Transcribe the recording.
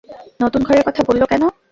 নতুন ঘরের কথা বললো কেনো?